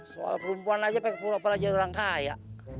soal perempuan aja pengen pulang pulang jadi orang kaya